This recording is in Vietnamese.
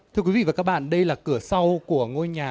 thưa quý vị và các bạn đây là cửa sau của ngôi nhà k năm trăm bảy mươi hai